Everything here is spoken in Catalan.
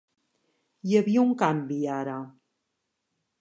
Hi havia un canvi ara.